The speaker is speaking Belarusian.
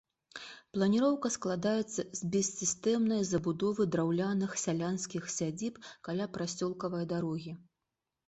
Планіроўка складаецца з бессістэмнай забудовы драўляных сялянскіх сядзіб каля прасёлкавай дарогі.